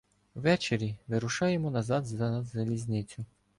Ввечері вирушаємо назад за залізницю.